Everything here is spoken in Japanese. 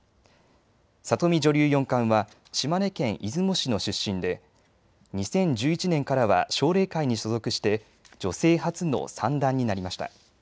里見女流四冠は島根県出雲市の出身で２０１１年からは奨励会に所属して女性初の三段になりました。